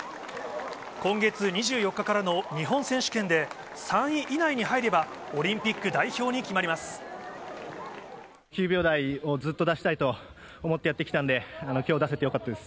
今月２４日からの日本選手権で、３位以内に入れば、オリンピック９秒台をずっと出したいと思ってやってきたんで、きょう出せてよかったです。